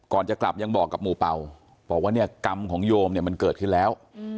จะกลับยังบอกกับหมู่เป่าบอกว่าเนี่ยกรรมของโยมเนี่ยมันเกิดขึ้นแล้ว